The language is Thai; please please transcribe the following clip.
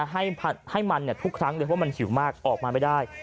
ให้มันทุกครั้งเลยเพราะมันหิวมากออกมาไม่ได้